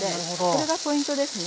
これがポイントですね。